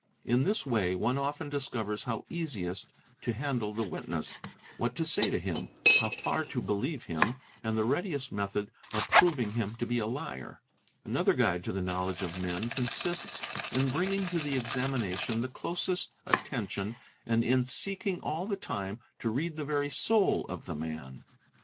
In this way one often discovers how easiest to handle the witness, what to say to him, how far to believe him, and the readiest method of proving 1im to be a liar. Another guide to the knowledge of men consists in bringing to the examination the closest attention and in seeking all the time to read the very soul of the man.